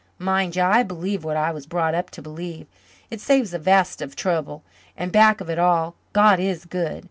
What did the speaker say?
Mind you, I believe what I was brought up to believe. It saves a vast of trouble and back of it all, God is good.